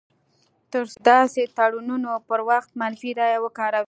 تر څو هغوی د داسې تړونونو پر وخت منفي رایه وکاروي.